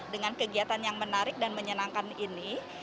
dengan kegiatan yang menarik dan menyenangkan ini